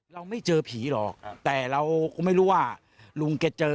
เราไม่เจอผีหรอกแต่เราก็ไม่รู้ว่าลุงแกเจอ